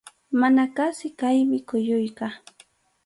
Mana qasi kaymi kuyuyqa.